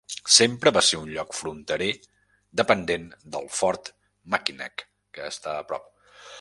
Sempre va ser un lloc fronterer dependent del Fort Mackinac, que està a prop.